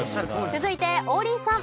続いて王林さん。